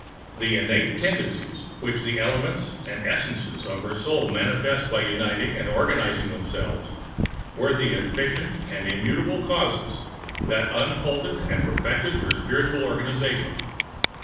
The innate tendencies which the elements and essences of her soul manifested by uniting and organizing themselves, were the efficient and imminent causes which unfolded and perfected her spiritual organization.